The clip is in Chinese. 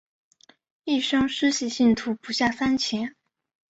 一生施洗信徒不下三千。